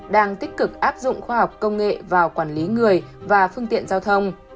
đang tích cực áp dụng khoa học công nghệ vào quản lý người và phương tiện giao thông